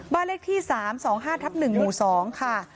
บ้านเลขที่๓๒๕ทับ๑หมู่๒ค่ะ